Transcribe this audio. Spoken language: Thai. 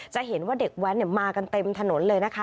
จะเห็นว่าเด็กแว้นมากันเต็มถนนเลยนะคะ